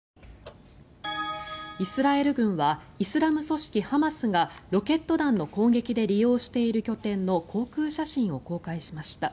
イスラエル軍はイスラム組織ハマスがロケット弾の攻撃で利用している拠点の航空写真を公開しました。